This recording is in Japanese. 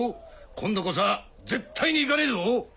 今度こそ絶対に行かねえぞ！